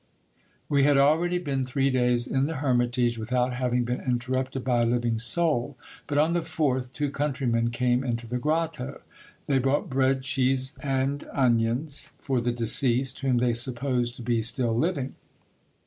We had already been three days in the hermitage, without having been interrupted by a living soul ; but on the fourth, two countrymen came into the grotto. They brought bread, cheese, and onions, for the deceased, whom they supposed to be still living.